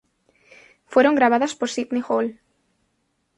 Fueron grabadas por Sidney Hall.